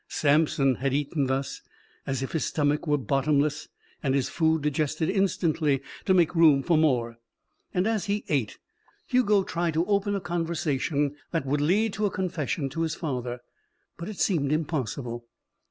Samson had eaten thus, as if his stomach were bottomless and his food digested instantly to make room for more. And, as he ate, Hugo tried to open a conversation that would lead to a confession to his father. But it seemed impossible.